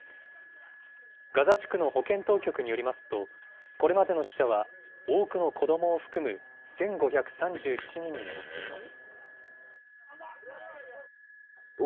ガザ地区の保健当局によりますと、これまでの死者は多くの子どもを含む１５３７人に上っています。